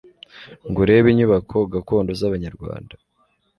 ngo urebe inyubako gakondo z'Abanyarwanda